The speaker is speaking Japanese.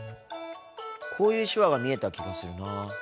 こういう手話が見えた気がするなぁ。